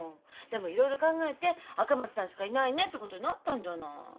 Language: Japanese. でもいろいろ考えて赤松さんしかいないねってことになったんじゃない。